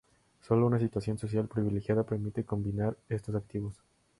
Sólo una situación social privilegiada permite combinar estos activos.